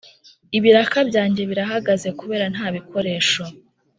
Ibiraka byanjye birahagaze kubera ntabikoresho